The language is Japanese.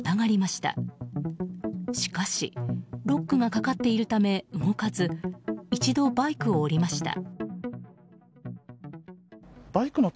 しかしロックがかかっているため動かず１度、バイクを降りました。